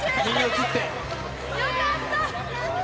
よかった。